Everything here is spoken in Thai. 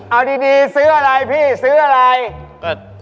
เอาดีดีซื้ออะไรพี่ซื้ออะไรก็